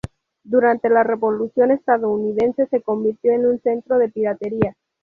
Durante la Revolución Estadounidense se convirtió en un centro de piratería.